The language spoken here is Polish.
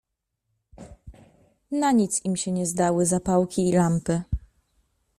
Na nic im się nie zdały zapałki i lampy.